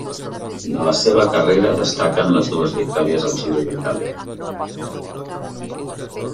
De la seva carrera destaquen les dues victòries al Giro d'Itàlia.